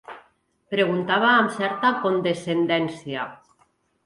Preguntava amb certa condescendència